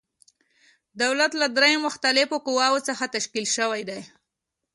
دولت له دریو مختلفو قواوو څخه تشکیل شوی دی.